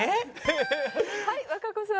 はい和歌子さん。